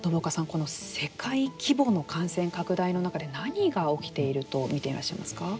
この世界規模の感染拡大の中で何が起きていると見ていらっしゃいますか。